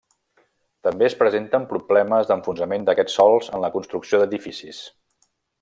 També es presenten problemes d'enfonsament d'aquests sòls en la construcció d'edificis.